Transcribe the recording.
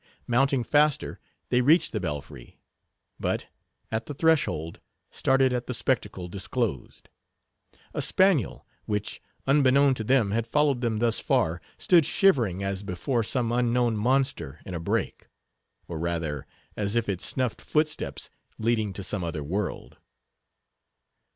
Mounting faster, they reached the belfry; but, at the threshold, started at the spectacle disclosed. A spaniel, which, unbeknown to them, had followed them thus far, stood shivering as before some unknown monster in a brake: or, rather, as if it snuffed footsteps leading to some other world.